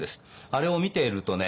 あれを見ているとね